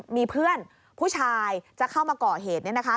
มีเพื่อนผู้ชายจะเข้ามาก่อเหตุเนี่ยนะคะ